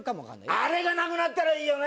あれがなくなったらいいよね